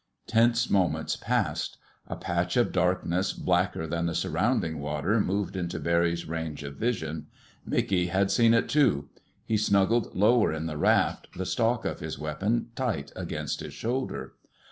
'" Tense moments passed. A patch of darkness blacker than the surrounding water moved into Barry's range of vision. Mickey had seen it, too. He snuggled lower in the raft, the stock of his weapon tight against his shoulder.